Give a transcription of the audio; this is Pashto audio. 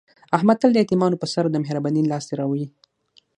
احمد تل د یتیمانو په سر د مهر بانۍ لاس تېروي.